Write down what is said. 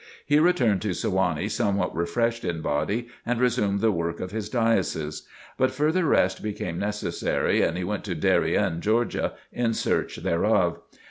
He returned to Sewanee somewhat refreshed in body and resumed the work of his Diocese. But further rest became necessary and he went to Darien, Georgia, in search thereof.